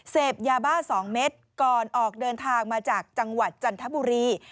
เสพยาบ้า๒เม็ดก่อนออกเดินทางมาจากจังหวัดจันทบุรี